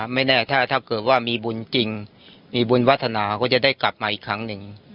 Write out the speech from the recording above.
ไม่แน่ถ้าเกิดว่ามีบุญจริงมีบุญวัฒนาก็จะได้กลับมาอีกครั้งหนึ่ง